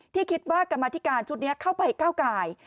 ที่คิดว่ากรรมธิการชุดนี้เข้าไปก้าวกาย